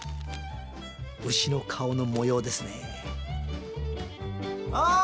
うしの顔の模様ですねああ